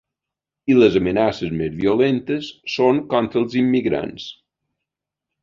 I les amenaces més violentes són contra els immigrants.